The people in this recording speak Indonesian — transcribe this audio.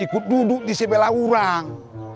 ikut duduk di sebelah orang